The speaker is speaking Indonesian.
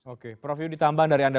oke profil ditambah dari anda